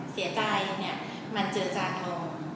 เสียใจเนี่ยมันเจือจางลง